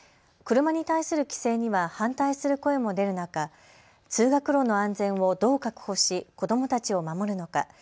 車に対する規制には反対する声も出る中、通学路の安全をどう確保し、子どもたちを守るのか。